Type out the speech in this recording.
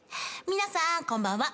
皆さんこんばんは。